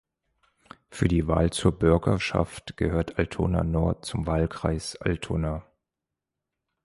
Für die Wahl zur Bürgerschaft gehört Altona-Nord zum Wahlkreis Altona.